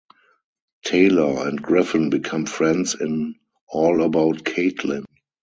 Taylor and Griffen become friends in "All About Caitlin".